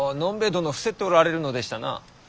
殿伏せっておられるのでしたな。